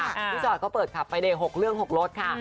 พี่จรตเขาเปิดค่ะไปเดชน์หกเรื่องหกรสค่ะ